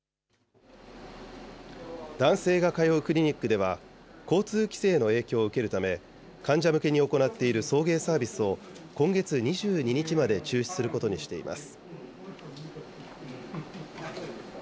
男性が通うクリニックでは、交通規制の影響を受けるため、患者向けに行っている送迎サービスを今月２２日まで中止することにしています。